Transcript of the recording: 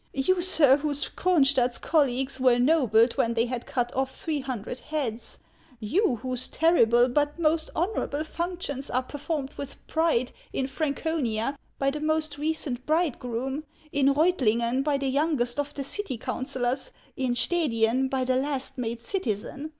You, sir, whose Cronstadt colleagues were ennobled when they had cut off three hundred heads, you, whose terrible but most honorable functions are performed with pride in Franconia by the most recent bridegroom, in Reutliugeu by the youngest of the city councillors, in Stedien by the last made citizen